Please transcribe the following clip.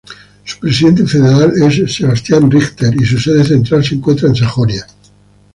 Su presidente federal es Sebastian Richter y su sede central se encuentra en Sajonia.